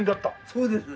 そうです。